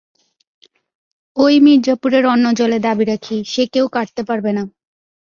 ঐ মির্জাপুরের অন্নজলে দাবি রাখি, সে কেউ কাড়তে পারবে না।